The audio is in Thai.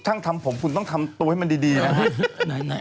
ช่างทำผมคุณต้องทำตัวให้มันดีอะอะไร